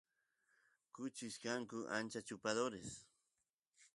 kuchis kanku ancha chupadores